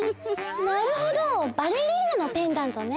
なるほどバレリーナのペンダントね。